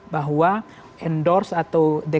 bahwa endorse atau